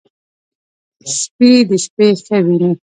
سپي د شپې ښه ویني.